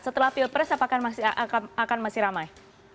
jika diperes apakah akan masih ramai